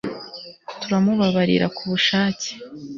Turamubabarira kubushake